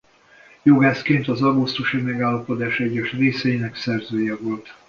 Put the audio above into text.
Jogászként az augusztusi megállapodás egyes részeinek szerzője volt.